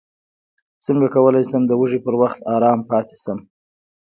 څنګه کولی شم د وږي پر وخت ارام پاتې شم